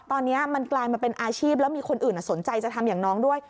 ตอนนี้มันกลายมาเป็นอาชีพแล้วมีคนอื่นสนใจจะทำอย่างน้องด้วย